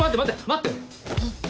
待って。